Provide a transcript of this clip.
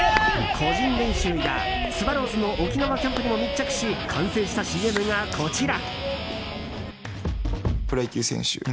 個人練習やスワローズの沖縄キャンプにも密着し完成したＣＭがこちら。